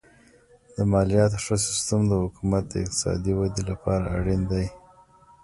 د مالیاتو ښه سیستم د حکومت د اقتصادي ودې لپاره اړین دی.